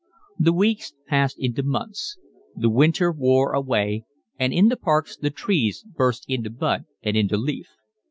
The weeks passed into months. The winter wore away, and in the parks the trees burst into bud and into leaf.